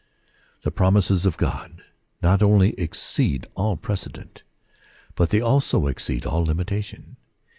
The promises of God not only exceed all pre cedent, but they also exceed all imitation.